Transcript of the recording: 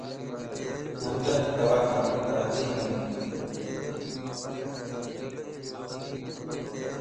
ھمدرد دواخانو ڪراچيم